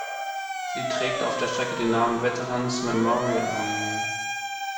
Sie trägt auf der Strecke den Namen "Veterans Memorial Highway".